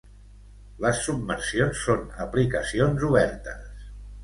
Les submersions són aplicacions obertes.